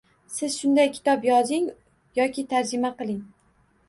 Siz shunday kitob yozing yoki tarjima qiling